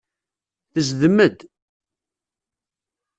Tezdem-d.